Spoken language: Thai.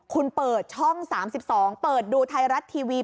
คุณเปิดช่อง๓๒เปิดดูไทยรัฐทีวี